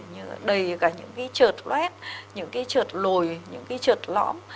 như là đầy cả những cái trợt loét những cái trợt lồi những cái trợt lõm